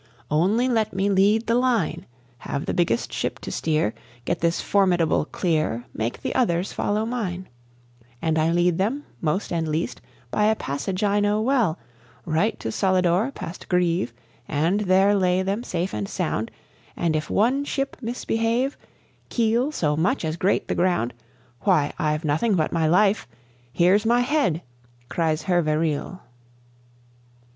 Only let me lead the line, Have the biggest ship to steer, Get this Formidable clear, Make the others follow mine, And I lead them, most and least, by a passage I know well, Right to Solidor past Grève, And there lay them safe and sound; And if one ship misbehave, Keel so much as grate the ground, Why, I've nothing but my life, here's my head!" cries Hervé Riel.